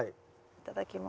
いただきます。